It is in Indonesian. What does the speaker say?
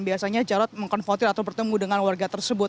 biasanya jarod mengkonfrontir atau bertemu dengan warga tersebut